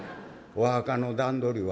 「お墓の段取りは？」。